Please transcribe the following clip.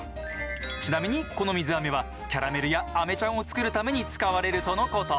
ちなみにこの水あめはキャラメルやアメちゃんを作るために使われるとのこと。